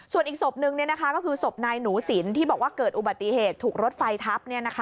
ส่วนอีกศพนึงก็คือศพนายหนูสินที่บอกว่าเกิดอุบัติเหตุถูกรถไฟทับ